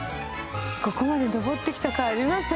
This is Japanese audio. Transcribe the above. ここまで登ってきたかいありました。